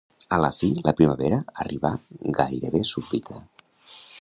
A la fi, la primavera arribà gairebé súbita.